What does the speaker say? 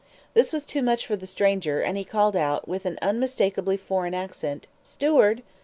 This was too much for the stranger, and he called out, with an unmistakably foreign accent: "Steward!"